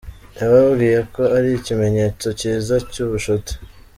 Yababwiye ko ari ikimenyetso kiza cy’ubucuti.